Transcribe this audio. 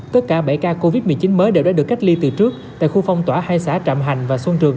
tất cả bảy ca covid một mươi chín mới đều đã được cách ly từ trước tại khu phong tỏa hai xã trạm hành và xuân trường